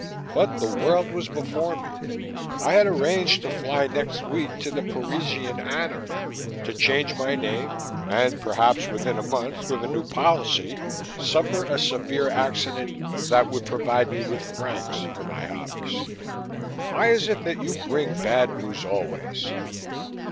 But the world was before me I had arranged to fly next week to the Parisian Anarch, to change my name and, perhaps within a month, with a new policy, suffer a severe accident that would provide me with francs for my hobbies. Why is it that you bring bad news always?"